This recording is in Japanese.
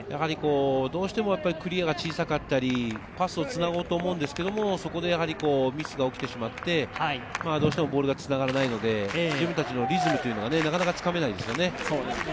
どうしてもクリアが小さかったり、パスをつなごうと思うんですけど、そこでミスが起きてしまって、どうしてもボールがつながらないので、自分達のリズムというのが、なかなかつかめないですよね。